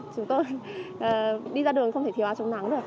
chúng tôi đi ra đường không thể thiếu áo trông nắng